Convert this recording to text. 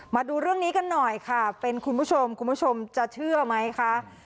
มาดูเรื่องนี้กันหน่อยค่ะเป็นคุณผู้ชมคุณผู้ชมจะเชื่อไหมคะ